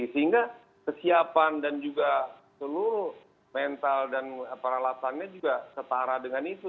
sehingga kesiapan dan juga seluruh mental dan peralatannya juga setara dengan itu